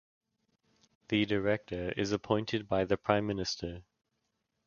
The director is appointed by the Prime Minister.